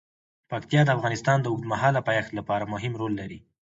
پکتیا د افغانستان د اوږدمهاله پایښت لپاره مهم رول لري.